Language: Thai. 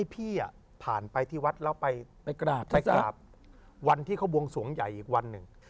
ฉะนั้นเราไปกราบวันที่เค้าบวงสูงใหญ่อีกวันนึง